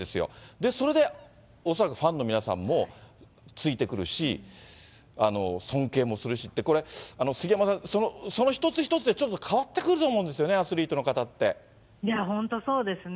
で、それで恐らくファンの皆さんもついてくるし、尊敬もするしって、これ、杉山さん、その一つ一つでちょっと変わってくると思うんですよね、アスリーいや、本当そうですね。